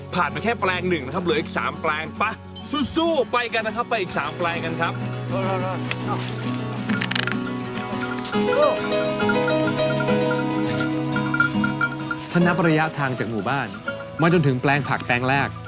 ผ่านมาแค่แปลงหนึ่งนะครับเหลืออีกสามแปลง